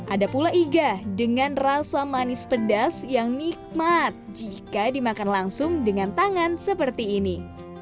ada pula iga dengan rasa manis pedas yang nikmat jika dimakan langsung dengan tangan seperti ini